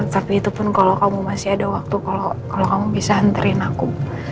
tapi itu pun kalau kamu masih ada waktu kalau kamu bisa hanterin aku